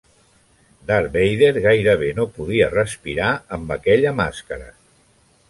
Darth Vader gairebé no podia respirar amb aquella màscara.